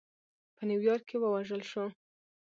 په نیویارک کې ووژل شو.